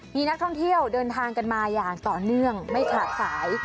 มีนักท่องเที่ยวเดินทางกันมาอย่างต่อเนื่องไม่ขาดสาย